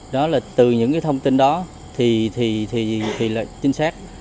đó là từ những cái thông tin đó thì là chính xác